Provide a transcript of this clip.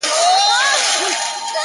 o چيټ که د بل دئ، بدن خو دي خپل دئ٫